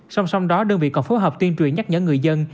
sông sông đó đơn vị còn phối hợp tuyên truyền nhắc nhẫn người dân